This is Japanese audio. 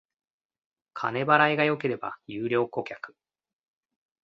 金払いが良ければ優良顧客